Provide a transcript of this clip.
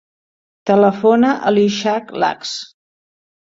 Telefona a l'Ishak Lax.